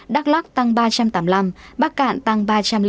đắk lắc tăng ba trăm tám mươi năm bắc cạn tăng ba trăm linh tám